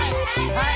はい！